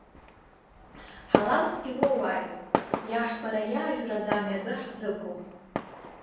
Ҳалалс иуоуааит, иаҳфара-иаажәразами адәы ҳзықәу.